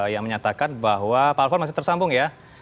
yang menyatakan bahwa pak alfon masih tersambung ya